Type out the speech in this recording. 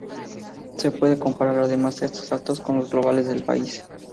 Se puede comparar además estos datos con los globales del país.